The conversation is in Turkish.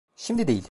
Şimdi değil.